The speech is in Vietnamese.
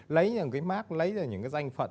lấy những cái mark lấy những cái danh phận